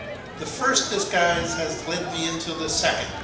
—'* The first disguise has led me into the second!